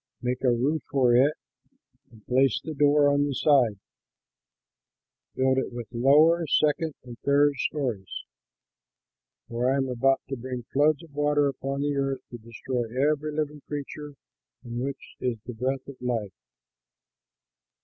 Make a roof for it and place the door on the side. Build it with lower, second, and third stories. For I am about to bring floods of water upon the earth to destroy every living creature in which is the breath of life.